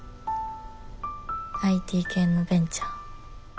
ＩＴ系のベンチャー。